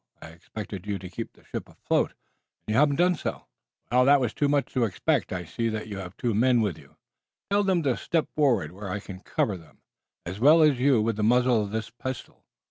I expected you to keep the ship afloat, and you haven't done so." "That was too much to expect. I see that you have two men with you. Tell them to step forward where I can cover them as well as you with the muzzle of this pistol.